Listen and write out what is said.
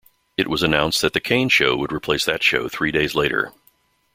It was announced that the Kane show would replace that show three days later.